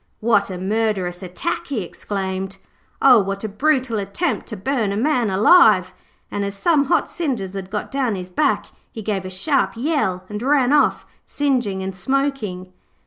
'What a murderous attack!' he exclaimed. 'O, what a brutal attempt to burn a man alive!' and as some hot cinders had got down his back he gave a sharp yell and ran off, singeing and smoking.